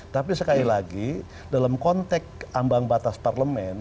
tapi sekali lagi dalam konteks ambang batas parlemen